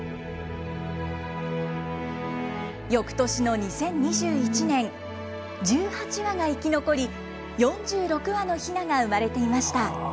よくとしの２０２１年、１８羽が生き残り、４６羽のひなが生まれていました。